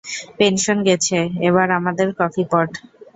Pension গেছে, এবার আমাদের কফিপট।